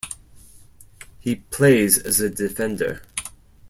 He plays as a defender.